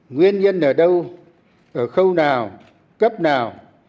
nguyên nhân ở đâu ở khâu nào cấp nào